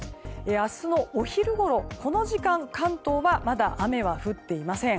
明日のお昼ごろ、この時間関東はまだ雨は降っていません。